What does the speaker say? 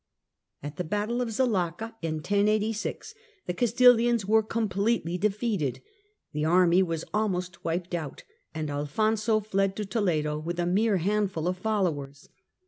At the battle of Zalaca, in 1086, the Castilians were completely defeated, the army was almost wiped out, and Alfonso fled to Toledo with a mere handful of followers.